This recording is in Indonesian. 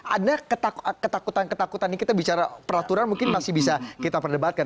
ada ketakutan ketakutan ini kita bicara peraturan mungkin masih bisa kita perdebatkan